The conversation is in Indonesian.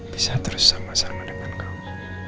bisa terus sama sama dengan kamu